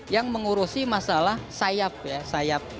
yang mengurusi masalah sayap ya sayap